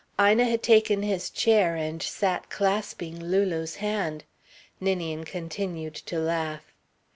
Ina had taken his chair and sat clasping Lulu's hand. Ninian continued to laugh.